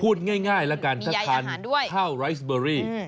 พูดง่ายง่ายแล้วกันมีใยอาหารด้วยถ้าทานข้าวไรฟ์สเบอรี่อืม